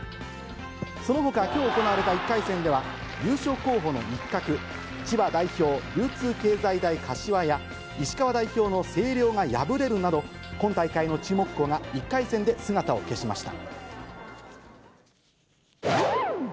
そのほか、きょう行われた１回戦では、優勝候補の一角、千葉代表、流通経済大柏や、石川代表の星稜が破れるなど、今大会の注目校が１回戦で姿を消しました。